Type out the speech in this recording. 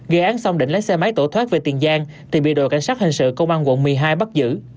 gây án xong định lấy xe máy tổ thoát về tiền giang thì bị đội cảnh sát hình sự công an quận một mươi hai bắt giữ